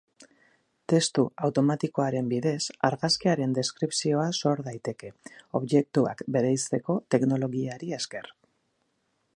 Testu automatikoaren bidez, argazkiaren deskripzioa sor daiteke, objektuak bereizteko teknologiari esker.